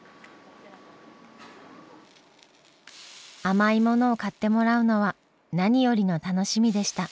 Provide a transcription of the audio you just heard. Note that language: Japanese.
甘いものを買ってもらうのは何よりの楽しみでした。